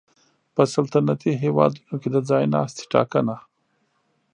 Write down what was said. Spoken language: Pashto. په سلطنتي هېوادونو کې د ځای ناستي ټاکنه